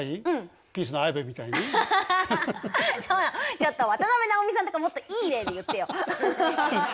ちょっと渡辺直美さんとかもっといい例で言ってよ！